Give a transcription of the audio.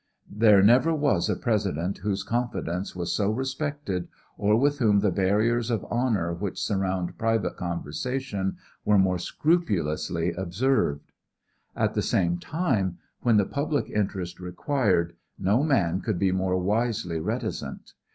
There never was a President whose confidence was so respected or with whom the barriers of honor which surround private conversation were more scrupulously observed. At the same time, when the public interest required, no man could be more wisely reticent.